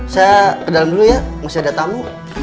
saya ke dalam dulu ya masih ada tamu